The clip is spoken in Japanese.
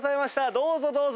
どうぞどうぞ。